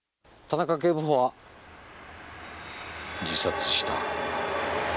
田中警部補は自殺した。